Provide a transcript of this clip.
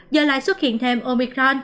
giờ lại xuất hiện thêm omicron